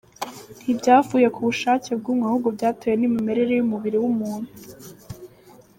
Ntibyavuye ku bushake bw’umwe ahubwo byatewe n’imimerere y’umubiri w’umuntu.